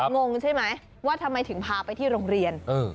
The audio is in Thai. งงใช่ไหมว่าทำไมถึงพาไปที่โรงเรียน